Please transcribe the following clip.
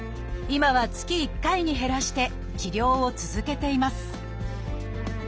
今は月１回に減らして治療を続けています